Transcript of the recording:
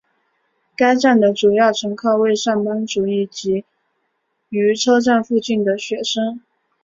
该站的主要乘客为上班族以及位于车站附近的的学生。